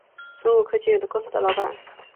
生物科技公司的老板